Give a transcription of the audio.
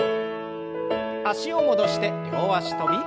脚を戻して両脚跳び。